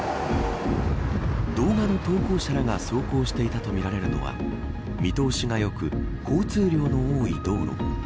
動画の投稿者らが走行していたとみられるのは見通しが良く交通量の多い道路。